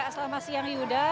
selama siang yuda